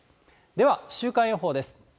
では、週間予報です。